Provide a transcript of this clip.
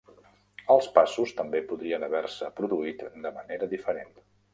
Els passos també podrien haver-se produït de manera diferent.